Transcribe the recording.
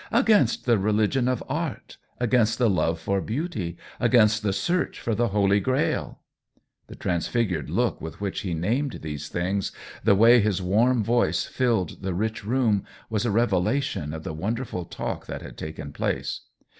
" Against the religion of art, against the love for beauty, against the search for the Holy Grail ?" The transfigured look with which he named these things, the way his warm voice filled the rich room, was a rev elation of the wonderful talk that had taken place.